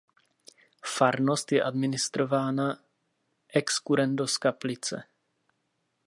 Farnost je administrována ex currendo z Kaplice.